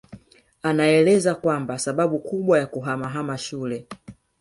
Anaeleza kwamba sababu kubwa ya kuhamahama shule